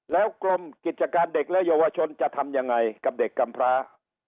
แล้วกรมกิจการเด็กและเยาวชนจะทำยังไงกับเด็กกำพร้า